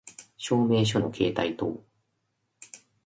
証明書の携帯等